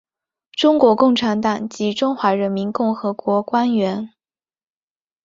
中国共产党及中华人民共和国官员。